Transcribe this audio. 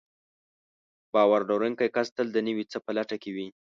باور لرونکی کس تل د نوي څه په لټه کې وي.